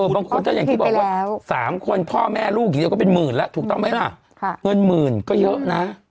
บางคนคิดออกว่า๓คนพ่อแม่ลูกก็เป็นหมื่นแล้วถูกต้องไหมครับเงินหมื่นก็เยอะนะ